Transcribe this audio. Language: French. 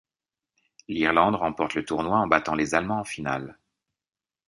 L'Irlande remporte le tournoi en battant les Allemands en finale.